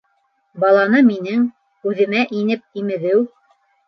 Баланы минең... үҙемә инеп имеҙеү